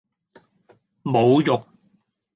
侮辱